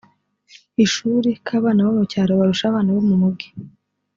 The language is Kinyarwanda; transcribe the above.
ishuri ko abana bo mu cyaro barusha abana bo mu mugi